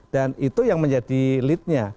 dan itu yang menjadi lead nya